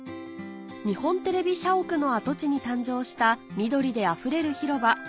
日本テレビ社屋の跡地に誕生した緑であふれる広場